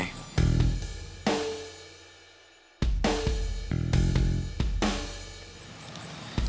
sampai jumpa di video selanjutnya